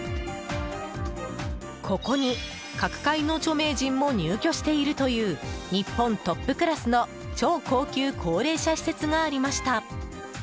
ここに、各界の著名人も入居しているという日本トップクラスの超高級高齢者施設がありました。